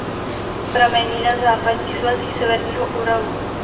Pramení na západních svazích Severního Uralu.